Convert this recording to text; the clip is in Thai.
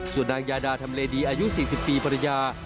ส่วนนางยาดาทำเลดีอายุ๔๐ปีภรรยา